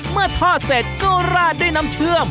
เมื่อทอดเสร็จก็ราดด้วยน้ำเชื่อม